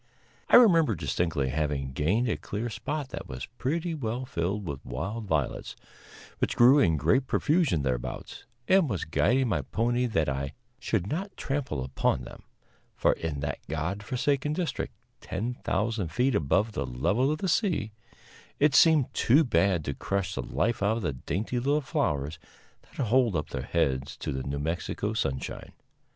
I remember distinctly having gained a clear spot that was pretty well filled with wild violets, which grew in great profusion thereabouts, and was guiding my pony that I should not trample upon them; for in that God forsaken district, 10,000 feet above the level of the sea, it seemed too bad to crush the life out of the dainty little flowers that hold up their heads to the New Mexico sunshine.